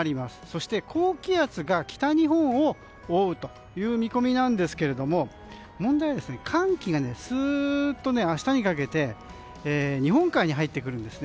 そして高気圧が北日本を覆うという見込みなんですけれども問題は、寒気がすっと明日にかけて日本海に入ってくるんです。